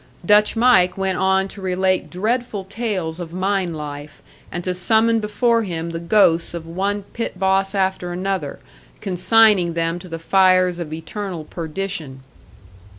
"Dutch Mike" went on to relate dreadful tales of mine life, and to summon before him the ghosts of one pit boss after another, consigning them to the fires of eternal perdition.